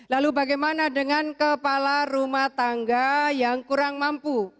lalu bagaimana dengan kepala rumah tangga yang kurang mampu